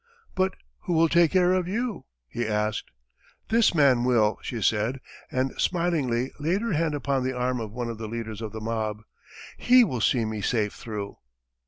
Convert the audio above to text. "But who will take care of you?" he asked. "This man will," she said, and smilingly laid her hand upon the arm of one of the leaders of the mob. "He will see me safe through."